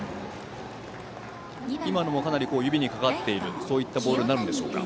今のも指にかかっているそういったボールになるんでしょうか。